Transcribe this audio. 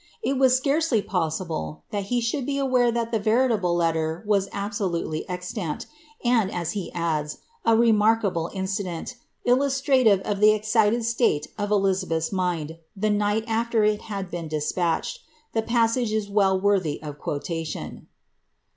It was scarcely possible that he iliduld be aware that the veritable letter was absolutely extant ; and, as lie adda, a remarkable incident, illustrative of the excited state of Eiiza beth'a mind, the night after it had been despatched, the passage is well worthy of quotation.